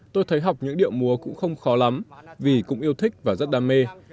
tôi thấy học những điệu múa cũng không khó lắm vì cũng yêu thích và rất đam mê